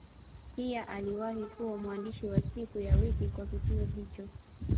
Pia aliwahi kuwa mwandishi wa siku ya wiki kwa kituo hicho.